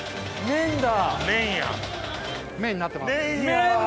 麺になってます。